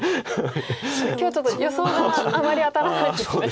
今日ちょっと予想があまり当たらないですね。